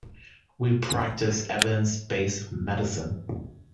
We practice evidence-based medicine.